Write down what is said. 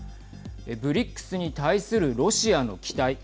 ＢＲＩＣＳに対するロシアの期待。